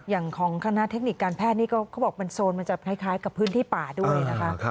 อย่างของคณะเทคนิคการแพทย์นี่ก็เขาบอกมันโซนมันจะคล้ายกับพื้นที่ป่าด้วยนะคะ